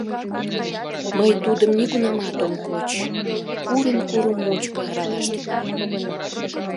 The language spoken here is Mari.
— Мый тудым нигунамат ом коч, курым-курым мучко аралаш тӱҥалам.